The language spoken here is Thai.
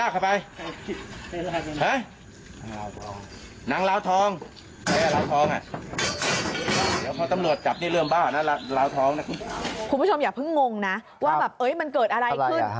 คุณผู้ชมอย่าเพิ่งงงนะว่าแบบเฮ้ยมันเกิดอะไรขึ้น